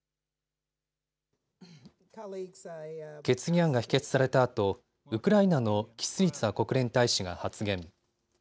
決議案が否決されたあと、ウクライナのキスリツァ国連大使が発言。